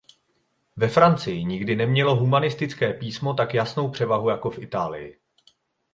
Ve Francii nikdy nemělo humanistické písmo tak jasnou převahu jako v Itálii.